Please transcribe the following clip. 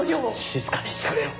静かにしてくれよ。